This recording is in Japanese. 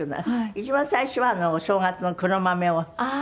一番最初はお正月の黒豆を煮たりとか。